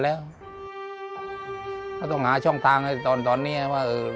และกับผู้จัดการที่เขาเป็นดูเรียนหนังสือ